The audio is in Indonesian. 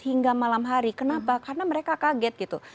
karena mereka kaget gitu